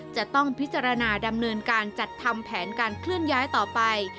จะต้องพิจารณาดำเนินการจัดทำแผนการเคลื่อนย้ายต่อไป